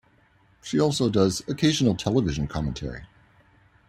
She also does occasional television commentary.